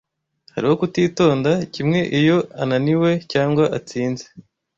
Hariho kutitonda, kimwe iyo ananiwe cyangwa atsinze